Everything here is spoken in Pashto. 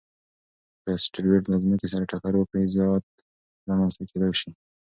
که اسټروېډ له ځمکې سره ټکر وکړي، زیان رامنځته کېدای شي.